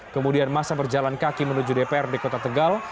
kemudian masa berjalan kaki menuju dprd kota tegal